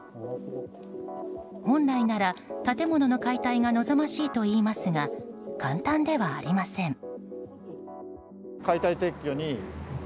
本来なら、建物の解体が望ましいといいますが簡単ではありません。